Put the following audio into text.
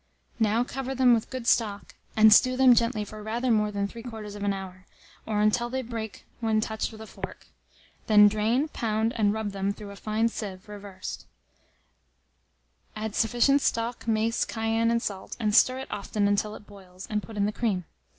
Now cover them with good stock, and stew them gently for rather more than 3/4 of an hour, or until they break when touched with a fork; then drain, pound, and rub them through a fine sieve reversed; add sufficient stock, mace, cayenne, and salt, and stir it often until it boils, and put in the cream.